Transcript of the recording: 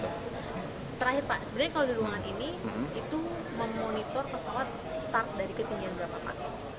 terakhir pak sebenarnya kalau di ruangan ini itu memonitor pesawat start dari ketinggian berapa pak